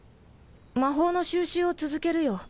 魔法の収集を続けるよ。